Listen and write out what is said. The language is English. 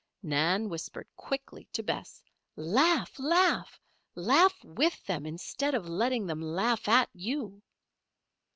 Nan whispered quickly to Bess: "Laugh! laugh! Laugh with them, instead of letting them laugh at you!"